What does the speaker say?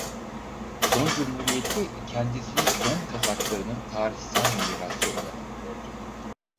Don Cumhuriyeti kendisini Don Kazaklarının tarihsel mirası olarak gördü.